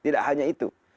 tidak hanya itu